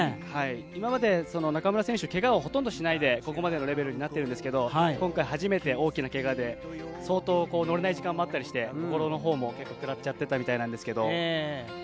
今まで中村選手、けがはほとんどしないで、ここまでのレベルになってるんですけど、今回初めて大きなけがで、相当、乗れない時間もあって心のほうも食らっちゃってたみたいなんですけど。